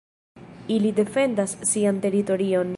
Ili defendas sian teritorion.